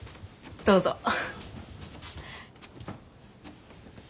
どうぞ。